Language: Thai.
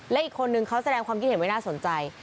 และอีกคนนึงเขาแสดงความคิดเห็นไว้น่าสนใจ